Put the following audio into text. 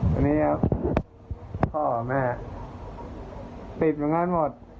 วันนี้พ่อแม่ติดเหมือนกันหมด